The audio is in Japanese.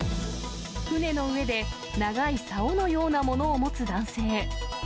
船の上で長いさおのようなものを持つ男性。